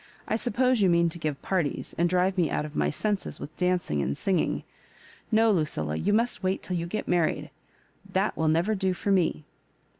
" I sup pose you mean to give parties, and drive me out of my senses with dancing and singing. No, LuciUa, you must wait till you get married — that will never do for me."